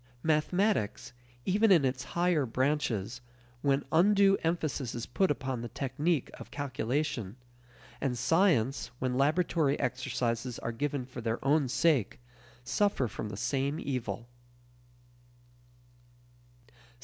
Mathematics, even in its higher branches, when undue emphasis is put upon the technique of calculation, and science, when laboratory exercises are given for their own sake, suffer from the same evil.